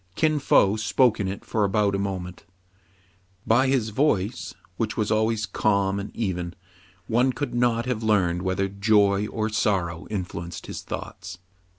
Kin Fo spoke in it for about a moment. By his voice, which was always calm and even, one could not have learned whether joy or sorrow influenced his thoughts.